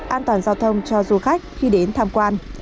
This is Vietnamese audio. an toàn giao thông cho du khách khi đến tham quan